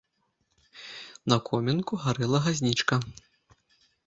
На комінку гарэла газнічка.